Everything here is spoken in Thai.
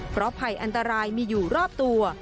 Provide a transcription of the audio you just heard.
เพราะภัยอันตรายมีอยู่รอบตัว